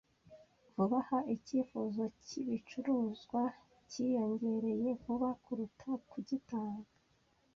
Vuba aha icyifuzo cyibicuruzwa cyiyongereye vuba kuruta kugitanga.